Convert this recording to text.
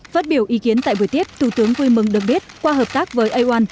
phát biểu ý kiến tại buổi tiếp thủ tướng vui mừng được biết qua hợp tác với aomon